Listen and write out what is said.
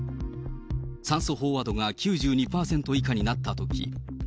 酸素飽和度が９２％以下になったとき。